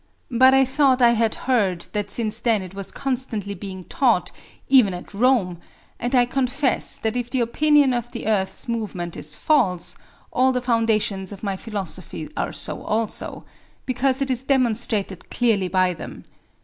But I thought I had heard that since then it was constantly being taught, even at Rome; and I confess that if the opinion of the earth's movement is false, all the foundations of my philosophy are so also, because it is demonstrated clearly by them.